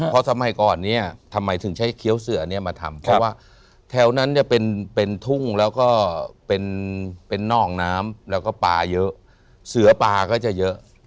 เพราะสมัยก่อนเนี่ยทำไมถึงใช้เคี้ยวเสือเนี่ยมาทำเพราะว่าแถวนั้นเนี่ยเป็นทุ่งแล้วก็เป็นนอกน้ำแล้วก็ปลาเยอะเสือปลาก็จะเยอะ